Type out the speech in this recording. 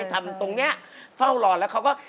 ทำตรงนี้เฝ้ารอแล้วเขาก็